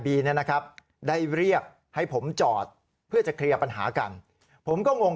เนี่ยนะครับได้เรียกให้ผมจอดเพื่อจะเคลียร์ปัญหากันผมก็งง